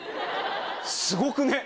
すごくね？